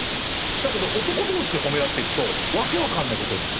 だけど男同士で褒め合っていくと訳分かんないことになる。